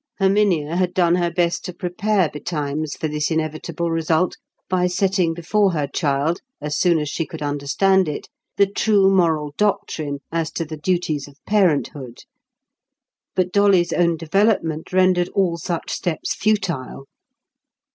Herminia had done her best to prepare betimes for this inevitable result by setting before her child, as soon as she could understand it, the true moral doctrine as to the duties of parenthood. But Dolly's own development rendered all such steps futile.